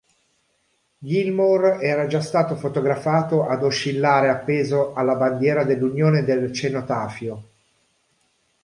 Gilmour era già stato fotografato ad oscillare appeso alla bandiera dell'Unione del Cenotafio.